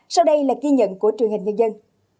sau đây là ghi nhận của truyền hình nhân dân